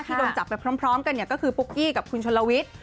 โดนจับไปพร้อมกันเนี่ยก็คือปุ๊กกี้กับคุณชนลวิทย์